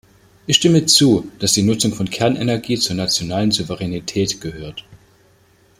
Ich stimme zu, dass die Nutzung von Kernenergie zur nationalen Souveränität gehört.